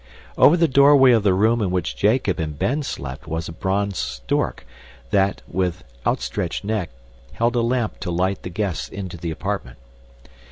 Over the doorway of the room in which Jacob and Ben slept was a bronze stork that, with outstretched neck, held a lamp to light the guests into the apartment.